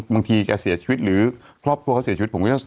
บางทีก็เสียชีวิตหรือครอบครัวเขาเสียชีวิต